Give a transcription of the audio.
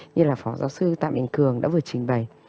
như là phó giáo sư tạm đình cường đã vừa trình bày